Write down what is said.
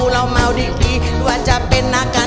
ประกาศมาผ่านเข้ารอบครับดีใจมากเลยครับ